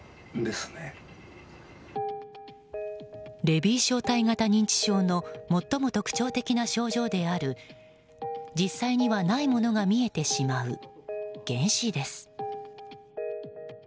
レビー小体型認知症の最も特徴的な症状である実際にはないものが見えてしまう、幻視です。